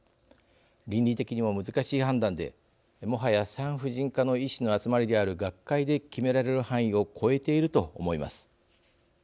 倫理的にも難しい判断でもはや産婦人科の医師の集まりである学会で決められる範囲を超えていると思います。